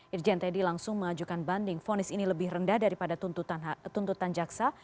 irjen teddy langsung mengajukan banding fonis ini lebih rendah daripada tuntutan jaksa